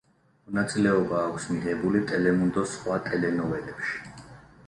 მონაწილეობა აქვს მიღებული ტელემუნდოს სხვა ტელენოველებში.